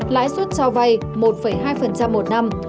lãi suất cho vay một hai một năm